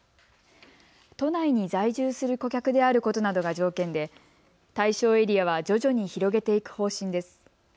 都内に在住する顧客であることなどが条件で対象エリアは徐々に広げていく方針です。